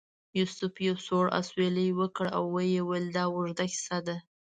یوسف یو سوړ اسویلی وکړ او ویل یې دا اوږده کیسه ده.